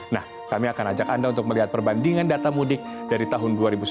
nah kami akan ajak anda untuk melihat perbandingan data mudik dari tahun dua ribu sembilan belas